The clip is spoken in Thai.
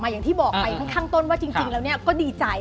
อย่างนี้